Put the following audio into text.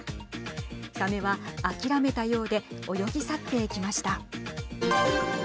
さめは諦めたようで泳ぎ去って行きました。